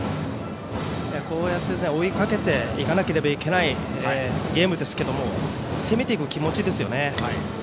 こうやって追いかけていかなければいけないゲームですけども攻めていく気持ちですよね。